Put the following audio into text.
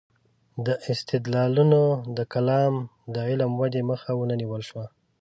دا استدلالونه د کلام د علم ودې مخه ونه نیول شوه.